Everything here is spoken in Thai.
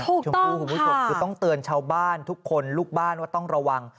เป็นคนต้องเตือนบ้านทุกคนลูกบ้านต้องระวัง